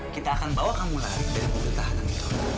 kita akan bawa kamu lari dari pengetahanan itu